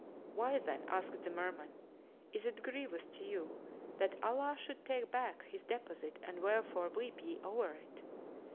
"Why then," asked the Merman, "is it grievous to you that Allah should take back His deposit and wherefore weep ye over it?